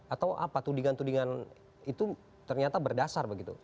atau apa tudingan tudingan itu ternyata berdasar begitu